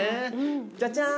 ジャジャーン。